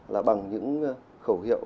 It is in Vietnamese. là bằng những khẩu hiệu